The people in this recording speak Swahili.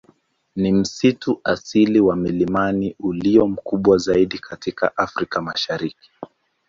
Ni msitu asili wa milimani ulio mkubwa zaidi katika Afrika Mashariki.